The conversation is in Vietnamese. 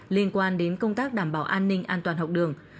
liên quan đến công tác đảm bảo an ninh an toàn học đường